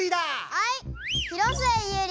はい！